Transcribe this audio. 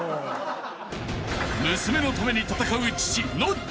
［娘のために戦う父ノッチ］